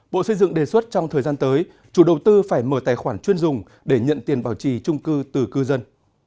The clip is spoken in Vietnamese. bộ xây dựng đề xuất trong thời gian tới chủ đầu tư phải mở tài khoản chuyên dùng để nhận tiền bảo trì trung cư từ cư dân